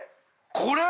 これ！？